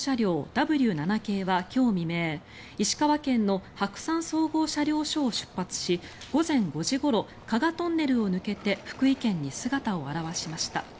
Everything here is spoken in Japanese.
Ｗ７系は今日未明石川県の白山総合車両所を出発し午前５時ごろ加賀トンネルを抜けて福井県に姿を現しました。